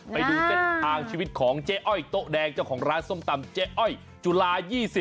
ไปดูเส้นทางชีวิตของเจ๊อ้อยโต๊ะแดงเจ้าของร้านส้มตำเจ๊อ้อยจุฬา๒๐